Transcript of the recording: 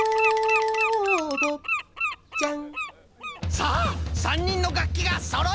さあ３にんのがっきがそろいました！